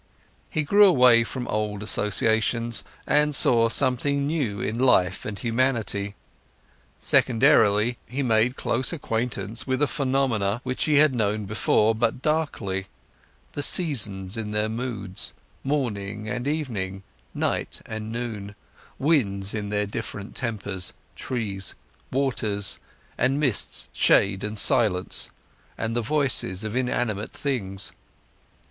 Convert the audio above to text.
He grew away from old associations, and saw something new in life and humanity. Secondarily, he made close acquaintance with phenomena which he had before known but darkly—the seasons in their moods, morning and evening, night and noon, winds in their different tempers, trees, waters and mists, shades and silences, and the voices of inanimate things.